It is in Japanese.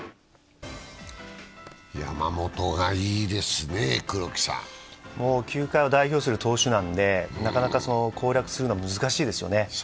山本がいいですね、黒木さん球界を代表する投手なんで、なかなか攻略するのは難しいですよね。